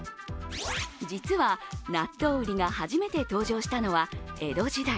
実は納豆売りが初めて登場したのは江戸時代。